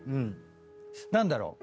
何だろう？